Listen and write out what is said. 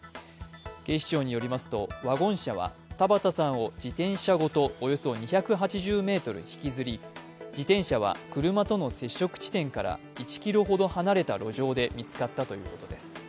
警視庁によりますと、ワゴン車は田畑さんを自転車ごとおよそ２８０ｍ引きずり自転車は車との接触地点から１ｋｍほど離れた路上で見つかったということです。